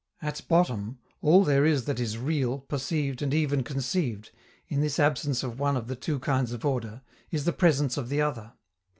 At bottom, all there is that is real, perceived and even conceived, in this absence of one of the two kinds of order, is the presence of the other.